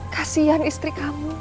kasian istri kamu